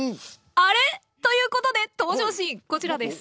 あれ？ということで登場シーンこちらです。